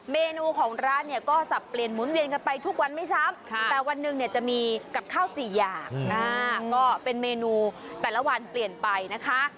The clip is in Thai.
เมนูของร้านเนี่ยก็สับเปลี่ยนหมุนเวียนกันไปทุกวันไม่ซ้ำแต่วันหนึ่งเนี่ยจะมีกับข้าวสี่อย่างก็เป็นเมนูแต่ละวันเปลี่ยนไปนะคะ